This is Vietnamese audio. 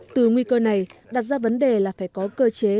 từ nguy cơ này đặt ra vấn đề là phải có cơ chế